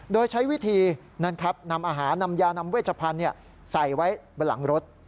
โดยใช้วิธีนำอาหารนำยานำเวชพันธุ์ใส่ไว้บนหลังรถ